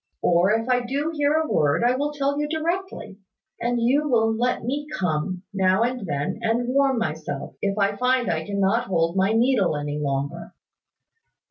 Or, if I do hear a word, I will tell you directly. And you will let me come, now and then, and warm myself, if I find I cannot hold my needle any longer."